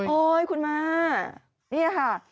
โอ๊ยคุณมานี่ค่ะ